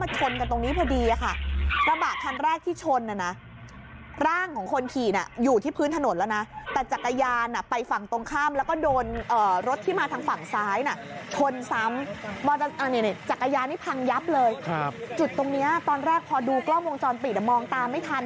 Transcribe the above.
จุดตรงนี้ตอนแรกพอดูกล้องวงจรปิดมองตามไม่ทัน